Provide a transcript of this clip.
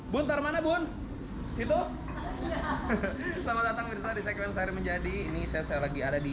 bun tarmana bun situ selamat datang di sekrem sari menjadi ini saya lagi ada di